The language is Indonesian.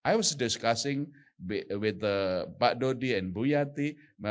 i was discussing with pak dodi and bu yati